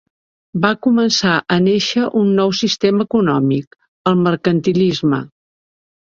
Va començar a néixer un nou sistema econòmic, el mercantilisme.